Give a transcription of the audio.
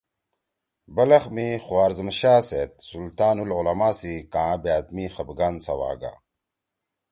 بلخ می خوارزم شاہ سیت سلطان العلماء سی کاں بأت می خفگان سواگا۔